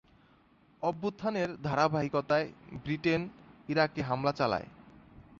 অভ্যুত্থানের ধারাবাহিকতায় ব্রিটেন ইরাকে হামলা চালায়।